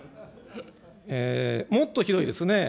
もっとひどいですね。